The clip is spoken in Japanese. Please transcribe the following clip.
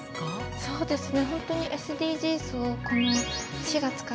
そうですね。